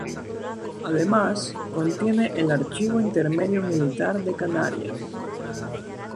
Además contiene el Archivo Intermedio Militar de Canarias.